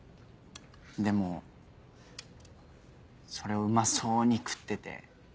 でもそれをうまそうに食ってて。